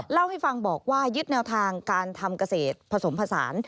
เล่าให้ฟังบอกว่ายึดแนวทางการทำเกษตรผสมผสาน